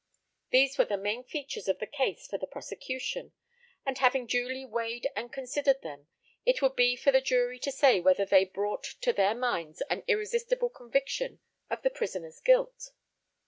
These were the main features of the case for the prosecution, and having duly weighed and considered them, it would be for the jury to say whether they brought to their minds an irresistible conviction of the prisoner's guilt.